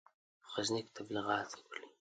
په غزني کې تبلیغات وکړي.